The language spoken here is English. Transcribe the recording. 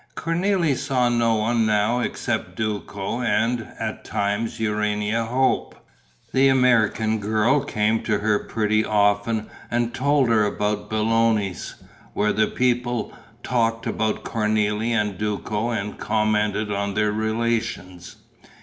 Cornélie saw no one now except Duco and, at times, Urania Hope. The American girl came to her pretty often and told her about Belloni's, where the people talked about Cornélie and Duco and commented on their relations.